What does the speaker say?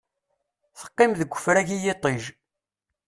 Teqqim deg ufrag i yiṭij.